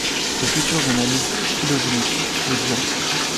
De futures analyses phylogénétiques le diront.